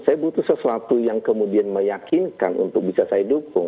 saya butuh sesuatu yang kemudian meyakinkan untuk bisa saya dukung